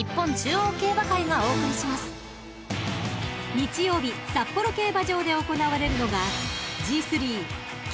［日曜日札幌競馬場で行われるのが］